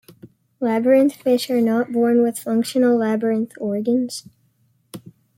Labyrinth fish are not born with functional labyrinth organs.